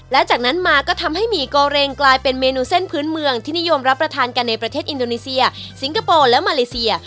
และจากนั้นมาก็ทำให้หมี่โกเรงกลายเป็นเมนูเส้นพื้นเมืองที่นิยมรับประทานกันในประเทศอินโดนีเซียสิงคโปร์และมาเลเซีย